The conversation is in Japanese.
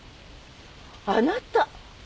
あなた。